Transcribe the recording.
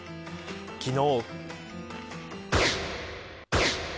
昨日。